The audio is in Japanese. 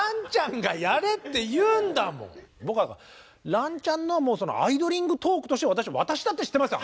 ランちゃんのアイドリングトークとして私だって知ってますよ。